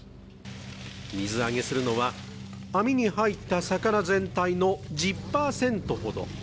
水揚げするのは、網に入った魚全体の１０％ほど。